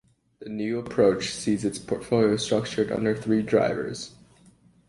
The new approach sees its portfolio structured under three drivers.